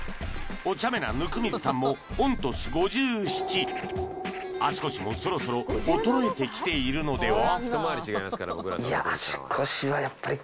おちゃめな温水さんも御年５７足腰もそろそろ衰えてきているのでは？